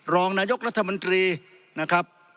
รองนายกรัฐมนตรีนะครับ